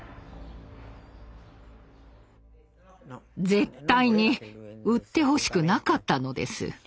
絶対に売ってほしくなかったのです。